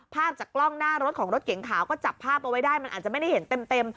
ภาพจากกล้องหน้ารถของรถเก๋งขาวก็จับภาพเอาไว้ได้มันอาจจะไม่ได้เห็นเต็ม